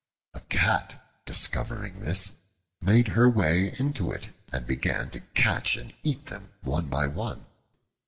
A Cat, discovering this, made her way into it and began to catch and eat them one by one.